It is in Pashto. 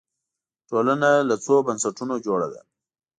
ټولنه له څو بنسټونو جوړه ده